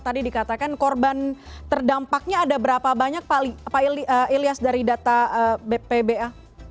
tadi dikatakan korban terdampaknya ada berapa banyak pak ilyas dari data bpba